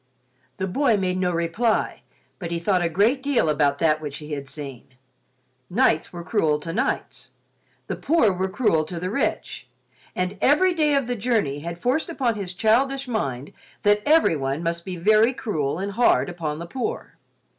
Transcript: The boy made no reply, but he thought a great deal about that which he had seen. Knights were cruel to knights—the poor were cruel to the rich—and every day of the journey had forced upon his childish mind that everyone must be very cruel and hard upon the poor.